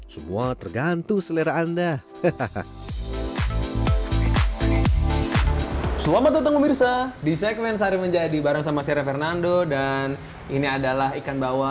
semua tergantung selera anda